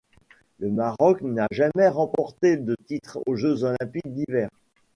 Le Maroc n'a jamais remporté de titre aux Jeux olympiques d'hiver.